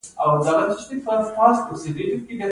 ایا زه باید د انفلونزا واکسین وکړم؟